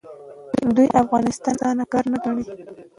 دوی افغانستان اسانه کار نه ګڼي.